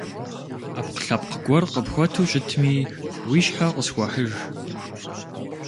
Ӏэпкълъэпкъ гуэр къыпхуэту щытми уи щхьэ къысхуэхьыж.